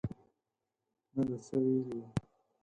نه ده څه ویلي وو.